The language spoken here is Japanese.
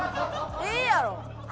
ええやろ。